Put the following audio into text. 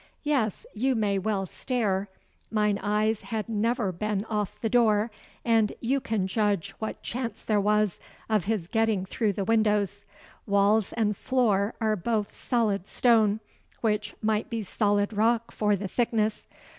Yes, you may well stare. Mine eyes had never been off the door, and you can judge what chance there was of his getting through the windows. Walls and floor are both solid stone, which might be solid rock for the thickness.